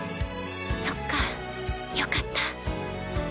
そっかよかった。